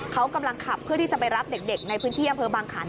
เขากำลังขับเพื่อที่จะไปรับเด็กในพื้นที่อำเภอบางขัน